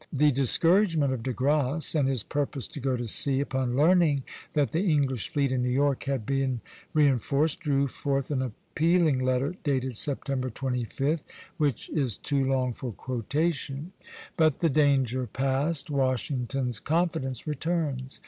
The discouragement of De Grasse, and his purpose to go to sea, upon learning that the English fleet in New York had been reinforced, drew forth an appealing letter dated September 25, which is too long for quotation; but the danger passed, Washington's confidence returns.